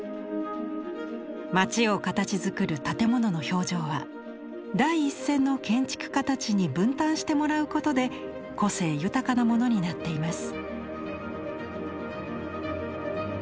街を形づくる建物の表情は第一線の建築家たちに分担してもらうことで個性豊かなものになっています。